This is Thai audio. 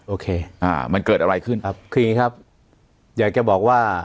โอเคอ่ามันเกิดอะไรขึ้นครับคืออย่างงี้ครับอยากจะบอกว่า